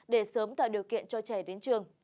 để sớm tạo điều kiện cho trẻ đến trường